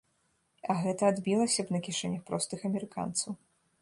А гэта адбілася б на кішэнях простых амерыканцаў.